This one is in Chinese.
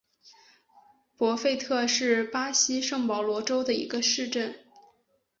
博费特是巴西圣保罗州的一个市镇。